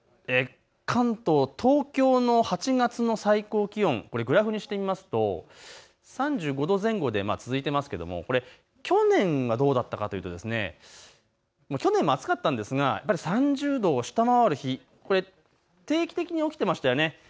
関東、東京の８月の最高気温、グラフにしてみますと３５度前後で続いていますが去年がどうだったかというと去年も暑かったんですが３０度を下回る日、定期的に起きていましたよね。